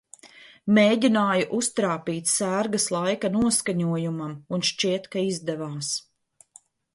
Mēģināju uztrāpīt sērgas laika noskaņojumam, un, šķiet, ka izdevās.